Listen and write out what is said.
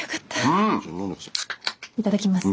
いただきます。